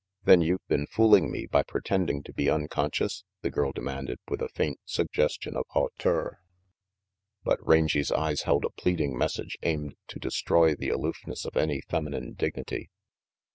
"Then you've been fooling me by pretending to 406 RANGY PETE be unconscious?" the girl demanded, with a fain suggestion of hauteur. But Rangy 's eyes held a pleading message aimed to destroy the aloofness of any feminine dignity.